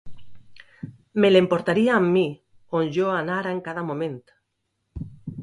Me l'emportaria amb mi, on jo anara en cada moment.